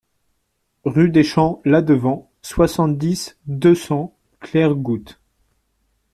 Rue des Champs La Devant, soixante-dix, deux cents Clairegoutte